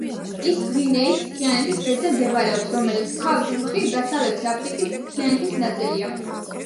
ის გვინეის მთიანეთის ქედზე მდებარეობს, რომელიც თავის მხრივ დასავლეთი აფრიკის მთიანეთის ნაწილია.